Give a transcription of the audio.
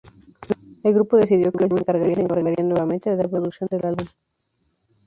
El grupo decidió que Rick Rubin se encargaría nuevamente de la producción del álbum.